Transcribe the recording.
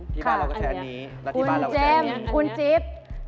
ที่บ้านเราก็แชร์นี้และที่บ้านเราก็แชร์นี้อันนี้ค่ะคุณเจมส์คุณจิ๊บ